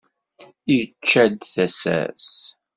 Yečča-d tasa-s.